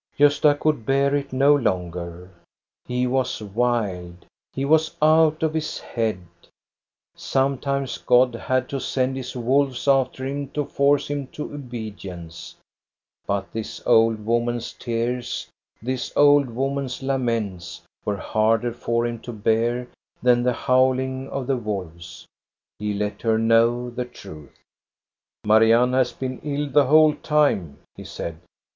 Gosta could bear it no longer. He was wild, he was out of his head, — sometimes God had to send his wolves after him to force him to obedience, — but this old woman's tears, this old woman's laments were harder for him to bear than the howling of the wolve3 He let her know the truth. ISO THE STORY OF GOSTA BERLING " Marianne has been ill the whole time," he said.